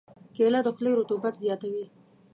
کېله د خولې رطوبت زیاتوي.